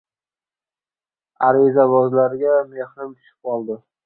Arizabozlarga mehrim tushib qoldi!